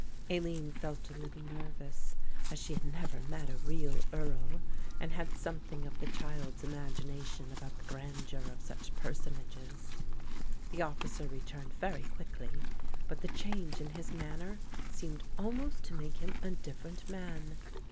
Aline felt a little nervous; as she had never met a real Earl and had something of the child's imagination about the grandeur of such personages. The officer returned very quickly, but the change in his manner seemed almost to make him a different man.